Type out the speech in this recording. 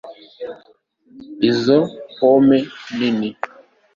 izo pome nini